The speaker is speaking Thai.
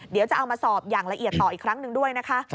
เดี๋ยวจะเอามาสอบอย่างละเอียดต่ออีกครั้งด้วย